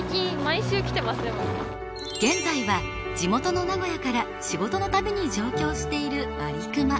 現在は地元の名古屋から仕事の度に上京しているまりくま。